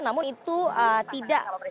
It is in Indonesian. namun itu tidak